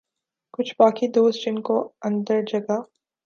کچھ باقی دوست جن کو اندر جگہ